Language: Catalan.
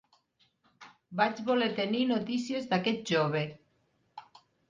Vaig voler tenir notícies d'aquest jove